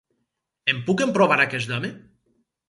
Em puc emprovar aquest home?